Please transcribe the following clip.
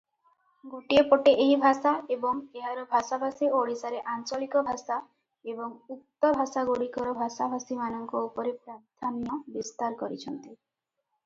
ଗୋଟିଏ ପଟେ ଏହି ଭାଷା ଏବଂ ଏହାର ଭାଷାଭାଷୀ ଓଡ଼ିଶାରେ ଆଞ୍ଚଳିକ ଭାଷା ଏବଂ ଉକ୍ତ ଭାଷାଗୁଡ଼ିକର ଭାଷାଭାଷୀମାନଙ୍କ ଉପରେ ପ୍ରାଧାନ୍ୟ ବିସ୍ତାର କରିଛନ୍ତି ।